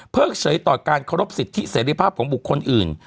เฉยต่อการเคารพสิทธิเสรีภาพของบุคคลอื่น